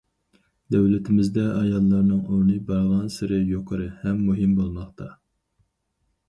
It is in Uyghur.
دۆلىتىمىزدە ئاياللارنىڭ ئورنى بارغانسېرى يۇقىرى ھەم مۇھىم بولماقتا.